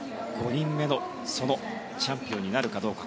５人目のそのチャンピオンになるかどうか。